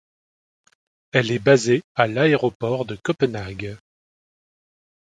Elle est basée à l'Aéroport de Copenhague.